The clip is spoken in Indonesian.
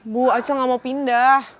bu aceh gak mau pindah